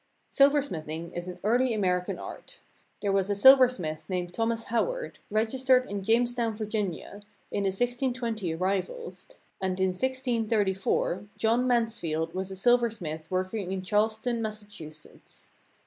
Silversmithing is an early American art. There was a silversmith named Thomas Howard, registered in Jamestown, Vir ginia, in the 1620 arrivals, and in J 634 John Mans field was a silver smith working in Charlestown, Mas sachusetts.